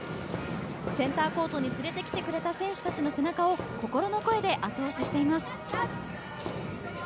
センターコートに連れてきてくれた選手たちの背中を心の声で後押ししています。